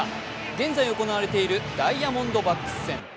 現在行われているダイヤモンドバックス戦。